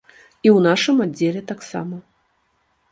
І ў нашым аддзеле таксама.